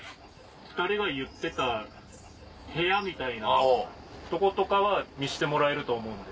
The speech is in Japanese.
お２人が言ってた部屋みたいなとことかは見せてもらえると思うんで。